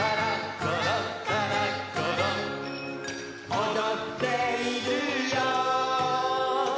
「おどっているよ」